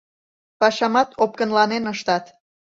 Пашамат опкынланен ыштат.